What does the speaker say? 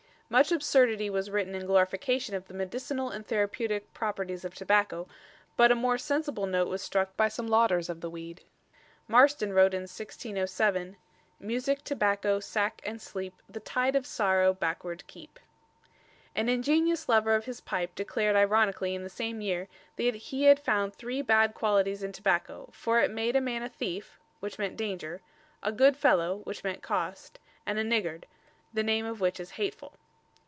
Much absurdity was written in glorification of the medicinal and therapeutic properties of tobacco, but a more sensible note was struck by some lauders of the weed. Marston wrote in 1607: Musicke, tobacco, sacke and sleepe, The tide of sorrow backward keep. An ingenious lover of his pipe declared ironically in the same year that he had found three bad qualities in tobacco, for it made a man a thief (which meant danger), a good fellow (which meant cost), and a niggard ("the name of which is hateful").